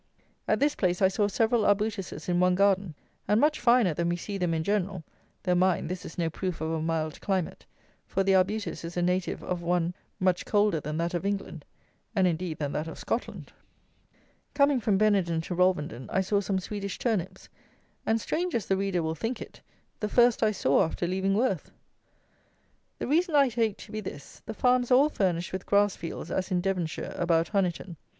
At this place I saw several arbutuses in one garden, and much finer than we see them in general; though, mind, this is no proof of a mild climate; for the arbutus is a native of one much colder than that of England, and indeed than that of Scotland. Coming from Benenden to Rolvenden I saw some Swedish turnips, and, strange as the reader will think it, the first I saw after leaving Worth! The reason I take to be this: the farms are all furnished with grass fields as in Devonshire about Honiton.